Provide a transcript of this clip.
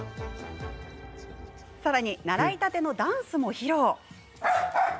さらに、習いたてのダンスも披露。